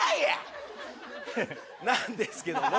なんですけども。